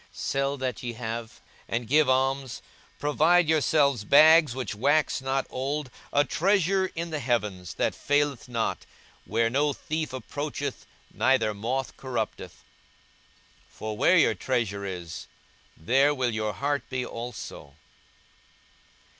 42:012:033 Sell that ye have, and give alms; provide yourselves bags which wax not old, a treasure in the heavens that faileth not, where no thief approacheth, neither moth corrupteth. 42:012:034 For where your treasure is, there will your heart be also.